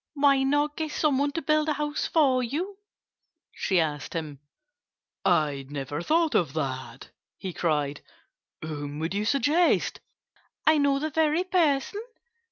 "Why not get some one to build a house for you?" she asked him. "I never thought of that!" he cried. "Whom would you suggest?" "I know the very person!"